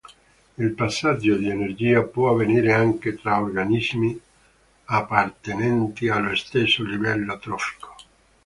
Il passaggio di energia può avvenire anche tra organismi appartenenti allo stesso livello trofico.